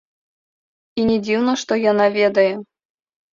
І не дзіўна, што яна ведае.